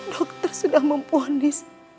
dokter sudah mempulis